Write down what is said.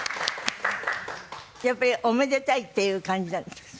やっぱりおめでたいっていう感じなんですか？